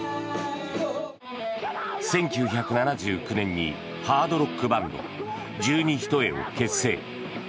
１９７９年にハードロックバンド十二単を結成。